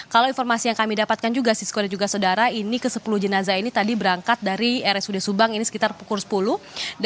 kalau informasi yang kami dapatkan juga sisko dan juga saudara ini ke sepuluh jenazah ini tadi berangkat dari rsud subang ini sekitar pukul sepuluh